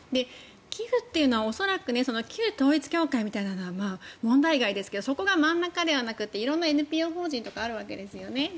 寄付というのは恐らく旧統一教会みたいなのは問題外ですがそこが真ん中ではなくて色んなＮＰＯ法人とかあるわけですよね。